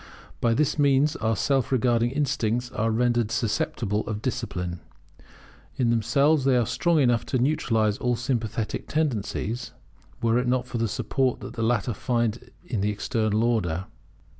By this means our self regarding instincts are rendered susceptible of discipline. In themselves they are strong enough to neutralize all sympathetic tendencies, were it not for the support that the latter find in this External Order.